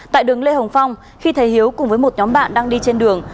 tại đường lê hồng phong khi thấy hiếu cùng với một nhóm bạn đang đi trên đường